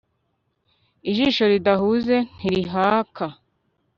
ijisho ridahuze ntirihaka